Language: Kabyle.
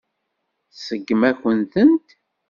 Tseggem-akent-tent.